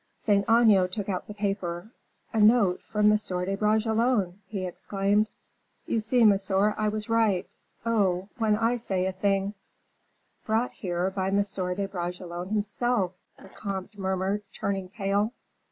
Saint Aignan took out the paper. "A note from M. de Bragelonne!" he exclaimed. "You see, monsieur, I was right. Oh, when I say a thing " "Brought here by M. de Bragelonne himself," the comte murmured, turning pale.